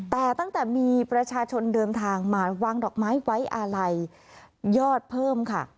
แต่ตั้งแต่มีประชาชนเดินทางมาวางดอกไม้ไว้อาลัยยอดเพิ่มค่ะ